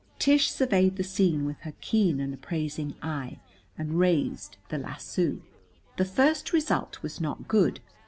Tish surveyed the scene with her keen and appraising eye, and raised the lasso. The first result was not good.